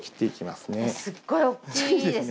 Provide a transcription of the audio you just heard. すっごいおっきいですね。